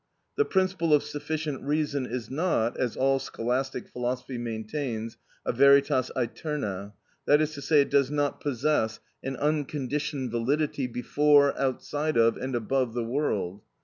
The principle of sufficient reason is not, as all scholastic philosophy maintains, a veritas aeterna—that is to say, it does not possess an unconditioned validity before, outside of, and above the world.